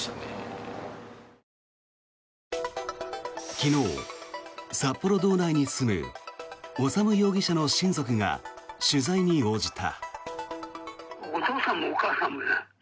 昨日、札幌道内に住む修容疑者の親族が取材に応じた。